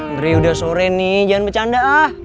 andre udah sore nih jangan bercanda ah